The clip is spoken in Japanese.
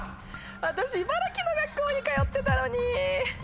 私茨城の学校に通ってたのに。